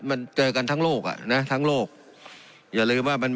มันเจอกันทั้งโลกอะเนี้ยทั้งโลกอย่าลืมว่ามันไม่ใช่